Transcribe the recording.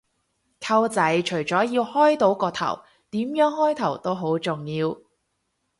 溝仔，除咗要開到個頭，點樣開頭都好重要